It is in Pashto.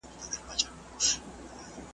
اوښکي چي مي پښو ته در لېږلې اوس یې نه لرم .